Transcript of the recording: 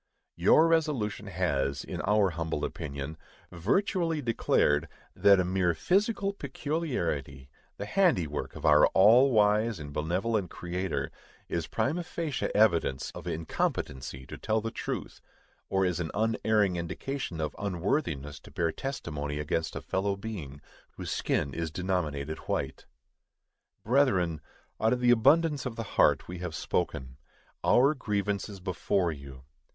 Your resolution has, in our humble opinion, virtually declared, that a mere physical peculiarity, the handiwork of our all wise and benevolent Creator, is prima facie evidence of incompetency to tell the truth, or is an unerring indication of unworthiness to bear testimony against a fellow being whose skin is denominated white. Brethren, out of the abundance of the heart we have spoken. _Our grievance is before you!